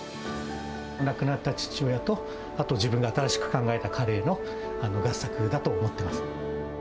亡くなった父親と、あと、自分が新しく考えたカレーの合作だと思ってます。